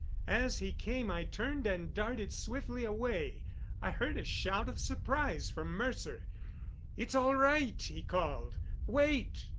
As he came I turned and darted swiftly away. I heard a shout of surprise from Mercer. "It's all right," he called. "Wait."